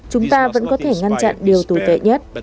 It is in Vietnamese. chúng ta vẫn có thể ngăn chặn điều tồi tệ nhất